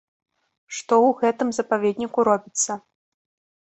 Што ў гэтым запаведніку робіцца?